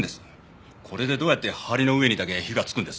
これでどうやって梁の上にだけ火がつくんです？